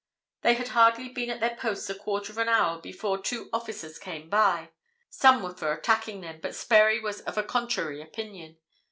They had hardly been at their posts a quarter of an hour before two officers came by. Some were for attacking them, but Sperry was of a contrary opinion.